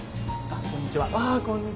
あこんにちは。